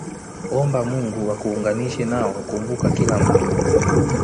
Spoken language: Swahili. omba Mungu akuunganishe nao Kumbuka kila mtu